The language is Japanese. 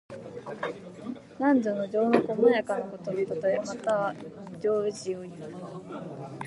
男女の情の細やかなことのたとえ。また、情事をいう。